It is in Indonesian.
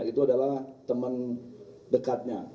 itu adalah teman dekatnya